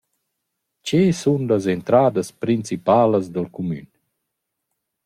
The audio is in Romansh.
Che sun las entradas principalas dal cumün?